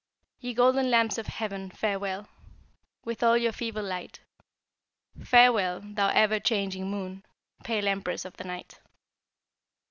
Ye golden lamps of heaven, farewell, With all your feeble light; Farewell, thou ever changing Moon, Pale empress of the Night.